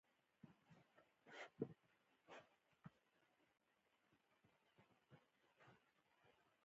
د افغانستان ژبي د تاریخ ښکارندوی دي.